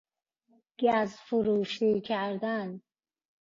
گز فروشی کردن